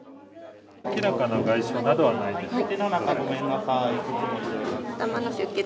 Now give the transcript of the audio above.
明らかな外傷などはないですね。